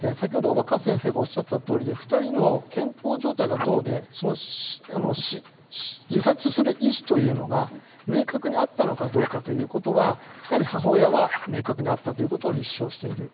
若狭先生がおっしゃったとおり２人の健康状態がどうで自殺する意思というのが明確にあったのかどうかということはやはり母親は明確にあったということを立証している。